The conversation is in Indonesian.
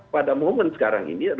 pada moment sekarang ini